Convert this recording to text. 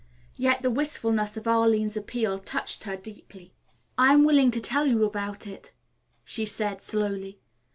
Yet the wistfulness of Arline's appeal touched her deeply. "I am willing to tell you about it," she said slowly.